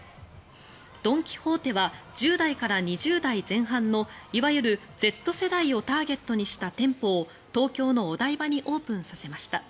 ドン・キホーテは１０代から２０代前半のいわゆるＺ世代をターゲットにした店舗を東京のお台場にオープンさせました。